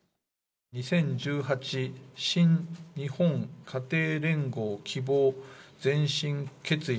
２０１８神日本家庭連合希望前進決意